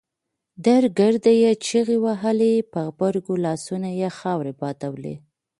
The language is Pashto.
درګرده يې چيغې وهلې په غبرګو لاسونو يې خاورې بادولې.